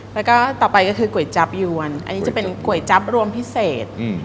แล้วก็ต่อไปก็คือก๋วยจับยวนอันนี้จะเป็นก๋วยจั๊บรวมพิเศษ